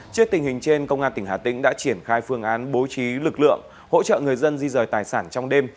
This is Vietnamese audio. trước tình hình trên công an tỉnh hà tĩnh đã triển khai phương án bố trí lực lượng hỗ trợ người dân di rời tài sản trong đêm